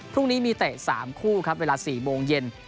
พรุ่งนี้มีเตะ๓คู่ครับเวลา๔โมงเย็น